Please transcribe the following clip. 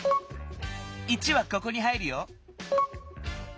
１はここに入るよ。